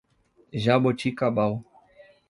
Jaboticabal